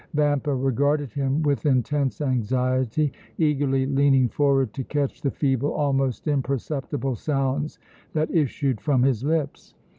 Vampa regarded him with intense anxiety, eagerly leaning forward to catch the feeble, almost imperceptible sounds that issued from his lips.